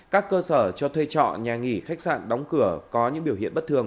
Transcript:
các cơ sở cho thuê trọ nhà nghỉ khách sạn đóng cửa có những biểu hiện bất thường